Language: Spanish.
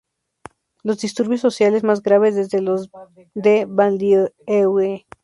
los disturbios sociales más graves desde los de Banlieue